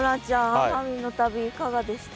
奄美の旅いかがでした？